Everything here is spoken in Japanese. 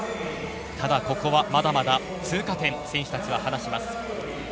ただ、ここはまだまだ通過点と選手たちは話します。